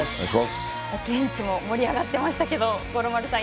現地も盛り上がっていましたが五郎丸さん